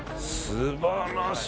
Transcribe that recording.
素晴らしい。